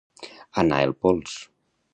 Anar el pols.